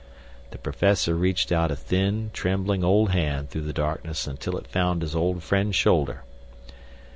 The professor reached out a thin, trembling old hand through the darkness until it found his old friend's shoulder.